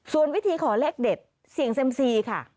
ส่วนวิธีขอเลขเด็ดเสี่ยงเซ็มซีค่ะ